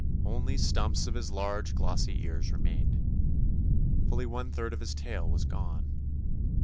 Only stumps of his large, glossy ears remained. Fully one third of his tail was gone.